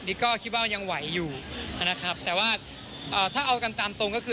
นี่ก็คิดว่ายังไหวอยู่นะครับแต่ว่าอ่าถ้าเอากันตามตรงก็คือ